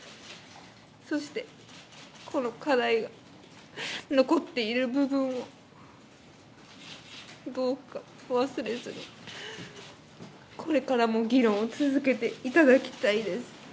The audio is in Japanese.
そして、この課題が残っている部分を、どうか忘れずに、これからも議論を続けていただきたいです。